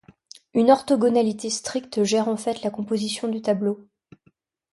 Une orthogonalité stricte gère en fait la composition du tableau.